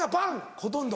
ほとんど？